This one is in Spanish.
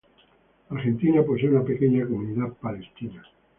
Argentina posee una pequeña comunidad palestina.